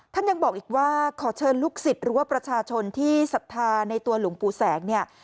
ท่านยังบอกอีกว่าขอเชิญลูกศิษย์หรือว่าประชาชนที่ศรัทธาในตัวหลวงปู่แสงเนี่ย